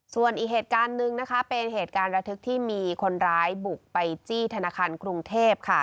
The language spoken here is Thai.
ส่วนอีกเหตุการณ์หนึ่งนะคะเป็นเหตุการณ์ระทึกที่มีคนร้ายบุกไปจี้ธนาคารกรุงเทพค่ะ